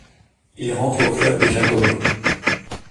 Il rentre au Club des Jacobins.